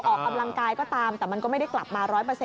ออกกำลังกายก็ตามแต่มันก็ไม่ได้กลับมา๑๐๐